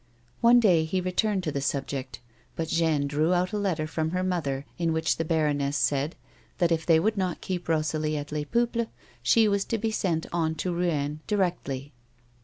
One day he re turned to the subject, but Jeanne drew out a letter from her mother in which the baroness said that if they would not keep Rosalie at Les Peuples she was to be sent on to Rouen directly.